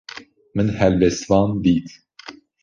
Min helbestvan dît.